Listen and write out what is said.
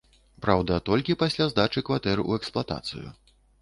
Праўда, толькі пасля здачы кватэр у эксплуатацыю.